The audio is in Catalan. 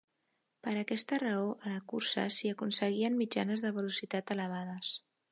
Per aquesta raó, a la cursa s'hi aconseguien mitjanes de velocitat elevades.